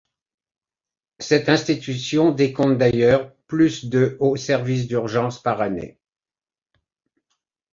Cette institution décompte d'ailleurs plus de au service d’urgence par année.